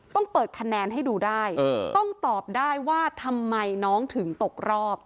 ต้องเปิดคะแนนให้ดูได้ต้องตอบได้ว่าทำไมน้องถึงตกรอบ